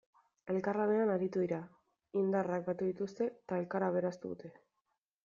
Elkarlanean aritu dira, indarrak batu dituzte eta elkar aberastu dute.